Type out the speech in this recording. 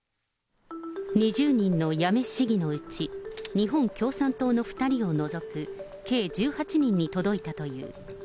２０人の八女市議のうち、日本共産党の２人を除く計１８人に届いたという。